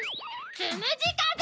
つむじかぜ！